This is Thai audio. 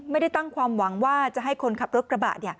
ไม่ได้ตั้งความหวังว่าจะให้คนขับรถกระบะ